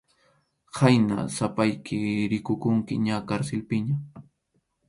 Khayna sapayki rikukunki ña karsilpiña.